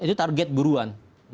itu target buruan